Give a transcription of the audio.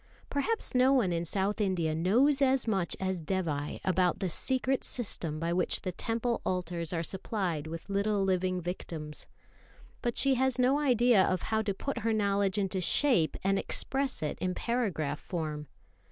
Perhaps no one in South India knows as much as Dévai knows about the secret system by which the Temple altars are supplied with little living victims; but she has no idea of how to put her knowledge into shape and express it in paragraph form.